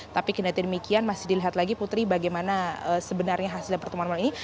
tapi kendati demikian masih dilihat lagi putri bagaimana sebenarnya hasil pertemuan malam ini